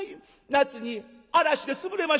夏に嵐で潰れた？